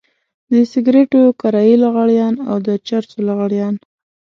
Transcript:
د سګرټو کرايي لغړيان او د چرسو لغړيان.